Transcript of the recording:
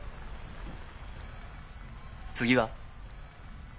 次は？